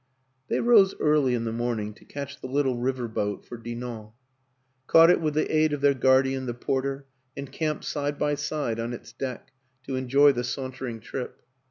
They rose early in the morning to catch the little river boat for Dinant; caught it with the aid of their guardian, the porter, and camped side by side on its deck to enjoy the sauntering trip.